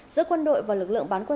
giữa quân đội và lực lượng bán quân